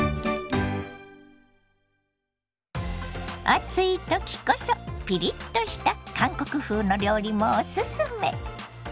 暑い時こそピリッとした韓国風の料理もおすすめ。